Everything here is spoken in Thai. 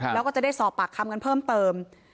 แล้วก็จะได้สอบปากคำกันเพิ่มเติม